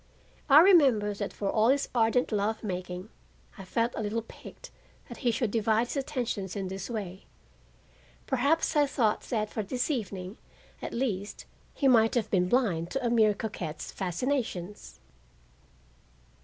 I remember that for all his ardent love making, I felt a little piqued that he should divide his attentions in this way. Perhaps I thought that for this evening, at least, he might have been blind to a mere coquette's fascinations.